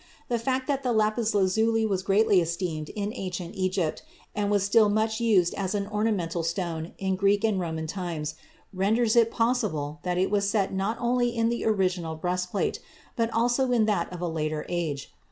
The fact that the lapis lazuli was greatly esteemed in ancient Egypt, and was still much used as an ornamental stone in Greek and Roman times, renders it probable that it was set not only in the original breastplate, but also in that of a later age.